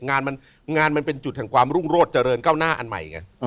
งานมันเป็นจุดหังความรุงโลฯเจริญเก้าหน้าอันใหม่